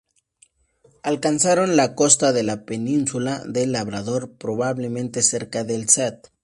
Alcanzaron la costa de la península del Labrador probablemente cerca del St.